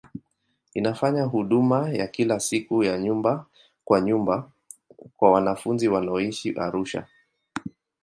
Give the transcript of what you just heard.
Inafanya huduma ya kila siku ya nyumba kwa nyumba kwa wanafunzi wanaoishi Arusha.